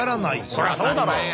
そりゃそうだろ。